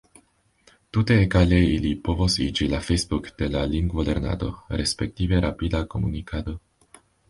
Tute egale ili povos iĝi la Facebook de la lingvolernado, respektive rapida komunikado.